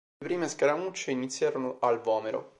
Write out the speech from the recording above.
Le prime scaramucce iniziarono al Vomero.